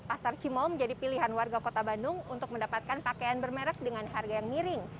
pasar cimol menjadi pilihan warga kota bandung untuk mendapatkan pakaian bermerek dengan harga yang miring